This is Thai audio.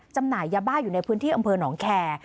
จำหน่ายยาบ้าอยู่ในพื้นที่อำเภอหนองแคร์